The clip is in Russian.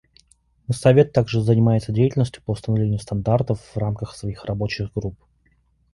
Совет также занимается деятельностью по установлению стандартов в рамках своих рабочих групп.